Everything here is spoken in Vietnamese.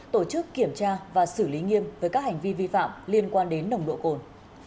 tổ chức kiểm tra và xử lý nghiêm với các hành vi vi phạm liên quan đến nồng độ cồn